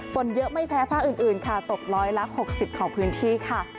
ฝนเยอะไม่แพ้ภาคอื่นค่ะตกร้อยละ๖๐ของพื้นที่ค่ะ